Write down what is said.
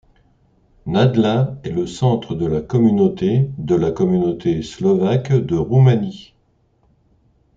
Nădlac est le centre de la communauté de la communauté slovaque de Roumanie.